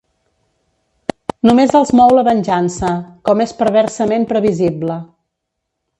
Només els mou la venjança, com és perversament previsible.